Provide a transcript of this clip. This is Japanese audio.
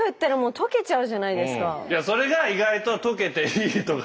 それが意外ととけていいとか。